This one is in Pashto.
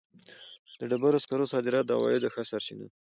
د ډبرو سکرو صادرات د عوایدو ښه سرچینه ده.